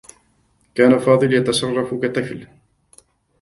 كان فاضل يتصرّف كطفل.